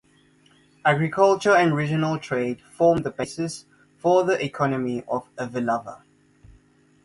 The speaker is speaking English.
Agriculture and regional trade formed the basis for the economy of Ovilava.